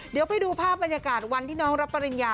เดี๋ยวไปดูภาพบรรยากาศวันที่น้องรับปริญญา